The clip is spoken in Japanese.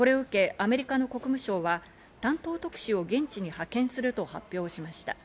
アメリカの国務省は担当特使を現地に派遣すると発表しました。